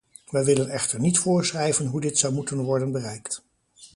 Wij willen echter niet voorschrijven hoe dit zou moeten worden bereikt.